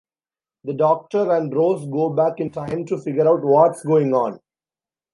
The Doctor and Rose go back in time to figure out what's going on.